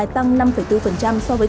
tăng năm bốn so với cơ sở công nghiệp